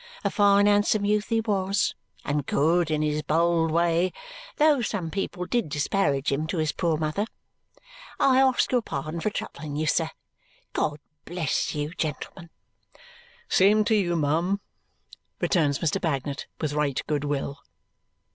A fine handsome youth he was, and good in his bold way, though some people did disparage him to his poor mother. I ask your pardon for troubling you, sir. God bless you, gentlemen!" "Same to you, ma'am!" returns Mr. Bagnet with right good will.